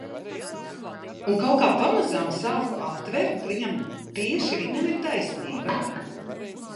Un kaut kā pamazām sāku aptvert, ka viņam, tieši viņam ir taisnība.